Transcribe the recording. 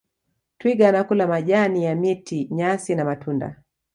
twiga anakula majani ya miti nyasi na matunda